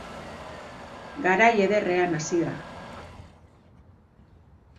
Garai ederrean hasi da!